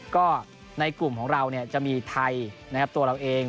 ก็ในกลุ่มของเราจะมีไทยนะครับตัวเราเอง